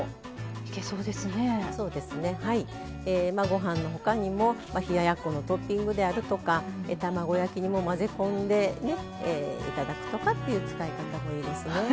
ご飯の他にも冷ややっこのトッピングであるとか卵焼きにも混ぜ込んで頂くとかっていう使い方もいいですね。